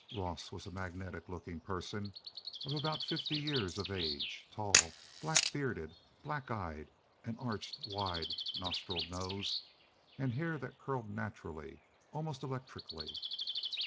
Ross was a magnetic looking person of about fifty years of age, tall, black bearded, black eyed, an arched, wide nostriled nose, and hair that curled naturally, almost electrically.